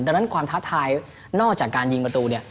ดังนั้นความท้าทายนอกจากการยิงประตูเนี่ย